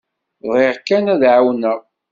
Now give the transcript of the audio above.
Bɣiɣ kan ad k-εawneɣ.